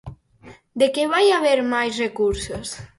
¿De que vai haber máis recursos?